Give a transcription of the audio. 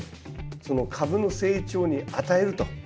その株の成長に与えると。